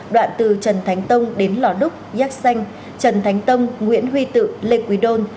đoạn từ trần thánh tông đến lò đúc giác xanh trần thánh tông nguyễn huy tự lê quỳ đôn